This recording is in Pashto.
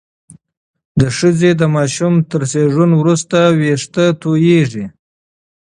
ښځې د ماشومانو تر زیږون وروسته وېښتې تویېږي.